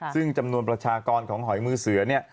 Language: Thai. ซึ่งจำนวนประชากรของหอยมือเสือเนี่ย